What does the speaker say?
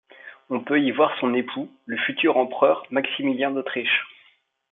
On peut y voir son époux, le futur empereur Maximilien d'Autriche.